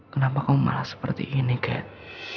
kenapa kamu malah seperti ini kate